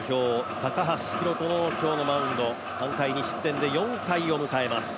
高橋宏斗の今日のマウンド３回２失点で４回を迎えます。